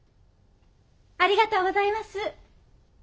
ありがとうございます。